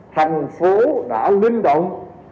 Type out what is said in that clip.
thành phố đã linh động